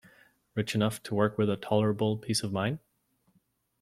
Rich enough to work with tolerable peace of mind?